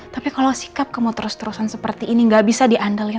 tapi kalau sikap kamu terus terusan seperti ini gak bisa diandal ya